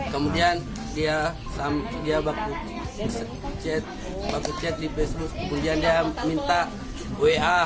kemudian dia waktu chat di facebook kemudian dia minta wa